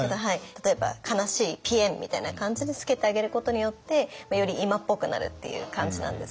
例えば「悲しいぴえん」みたいな感じでつけてあげることによってより今っぽくなるっていう感じなんですけど。